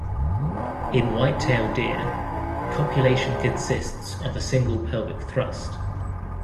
In whitetail deer, copulation consists of a single pelvic thrust.